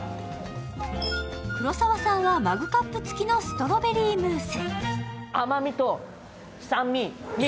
黒沢さんはマグカップ付きのストロベリームース。